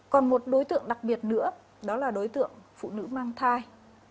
còn một đối tượng đặc biệt nữa đó là đối tượng phụ nữ mang thai